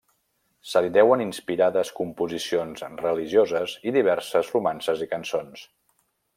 Se li deuen inspirades composicions religioses i diverses romances i cançons.